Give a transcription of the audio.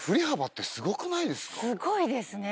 すごいですね。